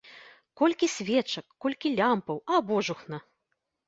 Колькі свечак, колькі лямпаў, а божухна!